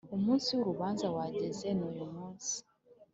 Umunsi w Urubanza wageze nuyumunsi